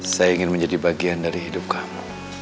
saya ingin menjadi bagian dari hidup kamu